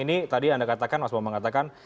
ini tadi anda katakan mas mombang katakan